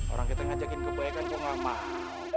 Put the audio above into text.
orang kita ngajakin kebuayaan kok nggak mau